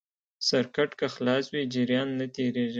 سرکټ که خلاص وي جریان نه تېرېږي.